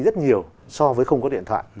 rất nhiều so với không có điện thoại